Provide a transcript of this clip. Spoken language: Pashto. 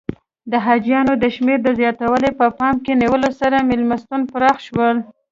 د حاجیانو د شمېر د زیاتوالي په پام کې نیولو سره میلمستون پراخ شو.